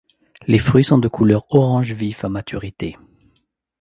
Les fruits sont de couleur orange vif à maturité.